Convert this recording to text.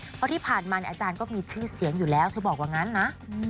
เพราะที่ผ่านมาเนี่ยอาจารย์ก็มีชื่อเสียงอยู่แล้วเธอบอกว่างั้นนะ